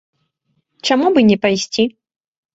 Чаму б і не пайсці?